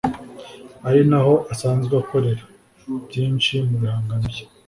ari naho asanzwe akorera byinshi mu bihangano bye